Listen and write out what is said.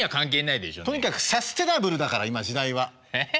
とにかくサステナブルだから今時代は。え？